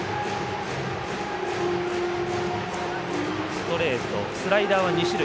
ストレート、スライダーは２種類。